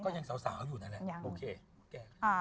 ก็ยังสาวอยู่นั่นแหละ